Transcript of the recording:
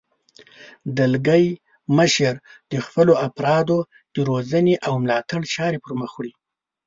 دلګی مشر د خپلو افرادو د روزنې او ملاتړ چارې پرمخ وړي.